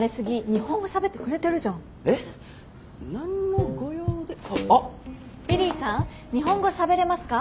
日本語しゃべれますか？